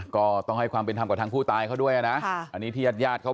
ก็ต้องให้ความเป็นธรรมกับทางผู้ตายเขาด้วยนะอันนี้ที่ญาติญาติเขา